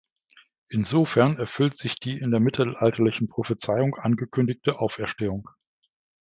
Insofern erfüllt sich die in der mittelalterlichen Prophezeiung angekündigte Auferstehung.